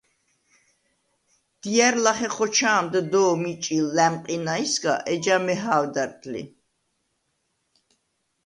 დია̈რ ლახე ხოჩა̄მდ დო̄მ იჭი ლა̈მყინაისგა, ეჯა მეჰა̄ვდარდ ლი.